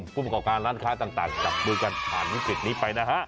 ผู้ประกอบการร้านค้าต่างจับมือกันผ่านวิกฤตนี้ไปนะฮะ